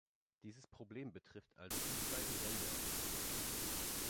Dieses Problem betrifft also diese beiden Länder.